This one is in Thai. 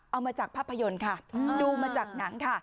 เอามาจากภาพยนตร์ค่ะดูมาจากหนังค่ะ